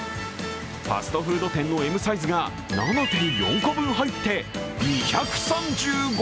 ファストフード店のＭサイズが７．４個分入って２３５円。